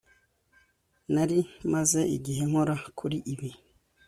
Nari maze igihe nkora kuri ibi